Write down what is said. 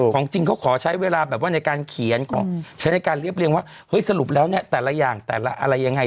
จริงเขาขอใช้เวลาแบบว่าในการเขียนขอใช้ในการเรียบเรียงว่าเฮ้ยสรุปแล้วเนี่ยแต่ละอย่างแต่ละอะไรยังไง